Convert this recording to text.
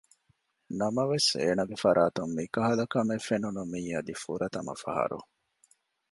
ނަމަވެސް އޭނަގެ ފަރާތުން މިކަހަލަ ކަމެއް ފެނުނު މީ އަދި ފުރަތަމަ ފަހަރު